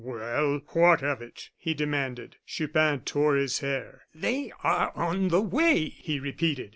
"Well, what of it?" he demanded. Chupin tore his hair. "They are on the way," he repeated.